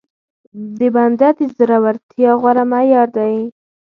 د بنده د زورورتيا غوره معيار دی.